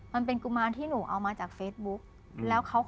มันเป็นกุมารที่หนูเอามาจากเฟซบุ๊ก